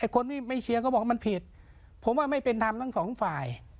คนที่ไม่เชียร์ก็บอกว่ามันผิดผมว่าไม่เป็นธรรมทั้งสองฝ่าย